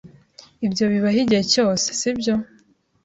Ibyo bibaho igihe cyose, sibyo?